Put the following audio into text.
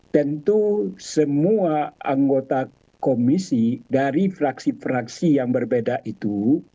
tentu semua anggota komisi dari fraksi fraksi yang berbeda itu